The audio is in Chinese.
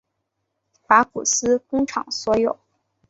法古斯工厂所有。